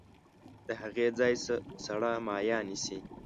د هغې ځای سړه مایع نیسي.